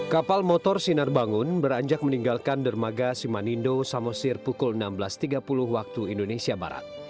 kapal motor sinar bangun beranjak meninggalkan dermaga simanindo samosir pukul enam belas tiga puluh waktu indonesia barat